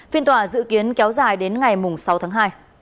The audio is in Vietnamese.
phiên tòa dự kiến kéo dài đến ngày sáu tháng hai